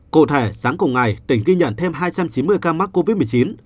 cụ thể sáng cùng ngày tỉnh ghi nhận thêm hai trăm chín mươi ca mắc covid một mươi chín